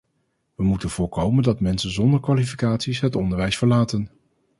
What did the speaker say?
We moeten voorkomen dat mensen zonder kwalificaties het onderwijs verlaten.